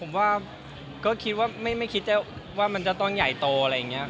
ผมว่าก็คิดว่าไม่คิดจะว่ามันจะต้นใหญ่โตอะไรอย่างนี้